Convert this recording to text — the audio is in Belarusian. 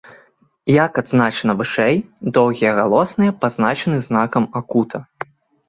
Як адзначана вышэй, доўгія галосныя пазначаны знакам акута.